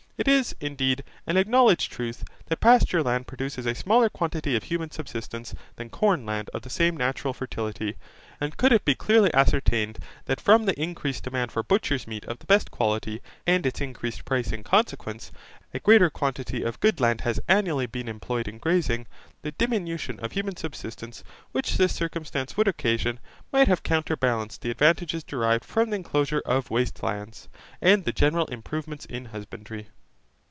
It is, indeed, an acknowledged truth, that pasture land produces a smaller quantity of human subsistence than corn land of the same natural fertility, and could it be clearly ascertained that from the increased demand for butchers' meat of the best quality, and its increased price in consequence, a greater quantity of good land has annually been employed in grazing, the diminution of human subsistence, which this circumstance would occasion, might have counterbalanced the advantages derived from the enclosure of waste lands, and the general improvements in husbandry.